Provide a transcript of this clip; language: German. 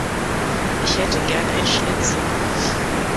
Ich hätte gerne ein Schnitzel.